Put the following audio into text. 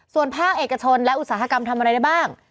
ส่วนภาคเอกชนและอุตสาหกรรมทำอะไรได้บ้าง